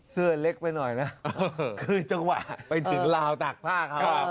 เสื้อเล็กไปหน่อยนะคือจังหวะไปถึงลาวตากผ้าเขา